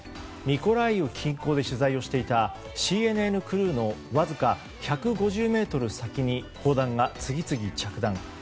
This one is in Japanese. ミコライウ近郊で取材をしていたＣＮＮクルーのわずか１５０ｍ先に砲弾が次々、着弾。